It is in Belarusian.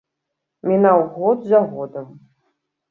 Мінаў год за годам.